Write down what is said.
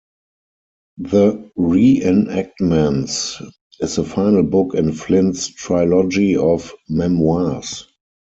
"The Reenactments" is the final book in Flynn's trilogy of memoirs.